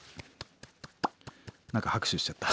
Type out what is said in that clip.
何か拍手しちゃった。